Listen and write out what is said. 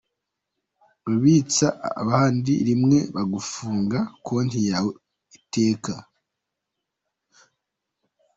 Ubitsa ahandi rimwe bagafunga konti yawe iteka.